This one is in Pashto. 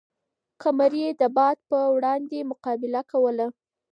قمري د باد په وړاندې مقابله کوله.